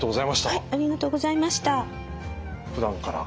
はい。